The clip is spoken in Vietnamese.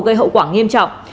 gây hậu quả nghiêm trọng